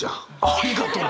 ありがとう！